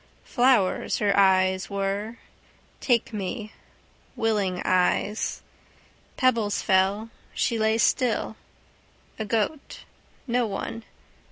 Flowers her eyes were, take me, willing eyes. Pebbles fell. She lay still. A goat. No one.